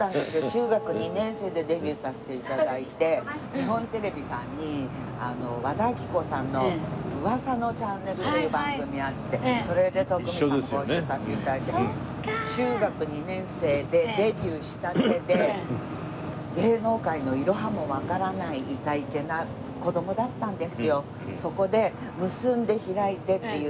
中学２年生でデビューさせて頂いて日本テレビさんに和田アキ子さんの『うわさのチャンネル！！』という番組あってそれで徳光さんもご一緒させて頂いて中学２年生でデビューしたてで芸能界のいろはもわからないいたいけな子どもだったんですよ。